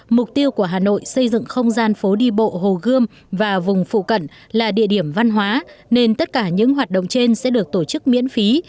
mục tiêu của hà nội xây dựng không gian phố đi bộ hồ gươm và vùng phụ cận là địa điểm văn hóa nên tất cả những hoạt động trên sẽ được tổ chức miễn phí